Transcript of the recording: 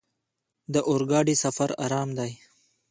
د اورګاډي سفر ارام دی.